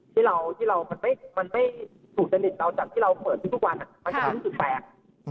ที่เราที่เรามันไม่มันไม่ถูกจนดินต่อจากที่เราเปิดทุกทุกวันอ่ะค่ะมันก็จะรู้สึกแปลก